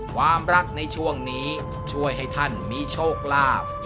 ความรักในช่วงนี้ช่วยให้ท่านมีโชคลาภ